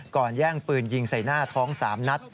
แย่งปืนยิงใส่หน้าท้อง๓นัด